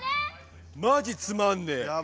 マジつまんね。